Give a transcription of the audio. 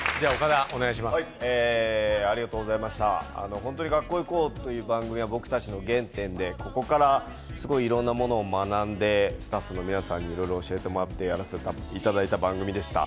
ホントに「学校へ行こう！」という番組は僕たちの原点で、ここからいろんなものを学んでスタッフの皆さんにいろいろ教えてもらってやらせていただいた番組でした。